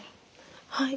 はい。